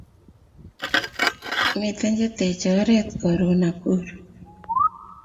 Miten che tech oret karun Nakuru